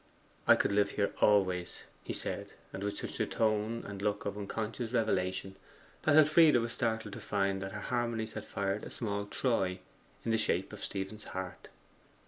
'I could live here always!' he said, and with such a tone and look of unconscious revelation that Elfride was startled to find that her harmonies had fired a small Troy, in the shape of Stephen's heart.